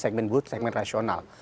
segmen bud segmen rasional